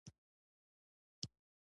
نن مې د کور د کچن ځای تنظیم کړ.